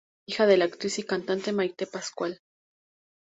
Hija de la actriz y cantante Maite Pascal.